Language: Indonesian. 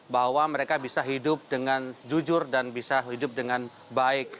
bahwa mereka bisa hidup dengan jujur dan bisa hidup dengan baik